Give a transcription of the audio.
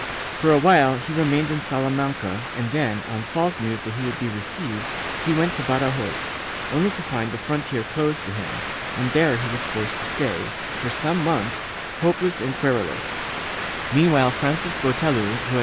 For awhile he remained in Salamanca and then, on false news that he would be received, he went to Badajoz, only to find the frontier closed to him, and there he was forced to stay, for some months, hopeless and querulous,^ Meanwhile, Francisco Botelho, who had been ' Ronchini, p.